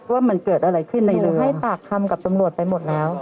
ว่ามันเกิดอะไรขึ้นในเรือให้ปากคำกับตำรวจไปหมดแล้ว